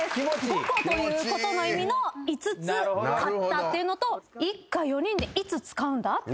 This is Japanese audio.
５個ということの意味の「５つ買った」っていうのと一家４人で「いつ使うんだ」っていう。